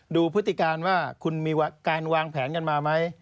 พฤติการว่าคุณมีการวางแผนกันมาไหม